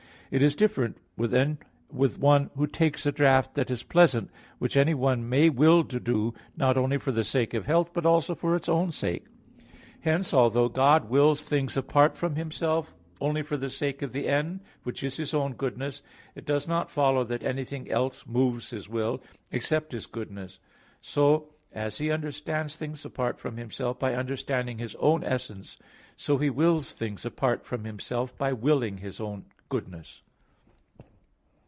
It is different with one who takes a draught that is pleasant, which anyone may will to do, not only for the sake of health, but also for its own sake. Hence, although God wills things apart from Himself only for the sake of the end, which is His own goodness, it does not follow that anything else moves His will, except His goodness. So, as He understands things apart from Himself by understanding His own essence, so He wills things apart from Himself by willing His own goodness.